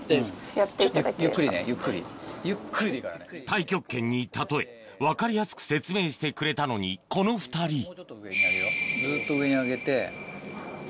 太極拳に例え分かりやすく説明してくれたのにこの２人ずっと上に上げて。